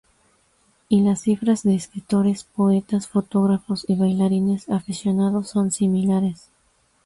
Y las cifras de escritores, poetas, fotógrafos y bailarines aficionados son similares.